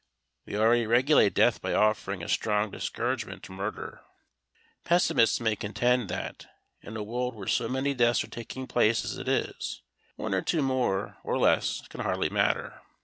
We already regulate death by offering a strong discouragement to murder. Pessimists may contend that, in a world where so many deaths are taking place as it is, one or two more or less can hardly matter.